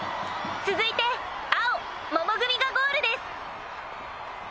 続いて青桃組がゴールです・